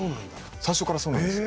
最初からそうなんですよ。